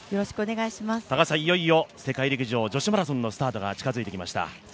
いよいよ世界陸上、女子マラソンのスタートが近づいてきました。